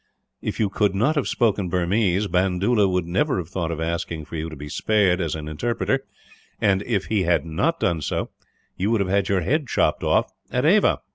If you could not have spoken Burmese, Bandoola would never have thought of asking for you to be spared as an interpreter and, if he had not done so, you would have had your head chopped off, at Ava.